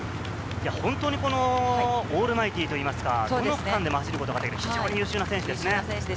本当にオールマイティーといいますか、どの区間も走ることができる、非常に優秀な選手ですね。